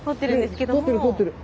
通ってる通ってる。